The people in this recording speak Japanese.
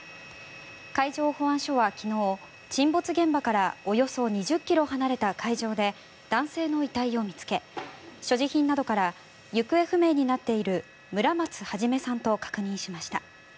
海上保安署は昨日、沈没現場からおよそ２０ｋｍ離れた海上で男性の遺体を見つけ所持品などから行方不明になっている村松孟さんと確認しました。